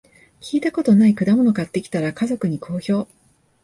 聞いたことない果物買ってきたら、家族に好評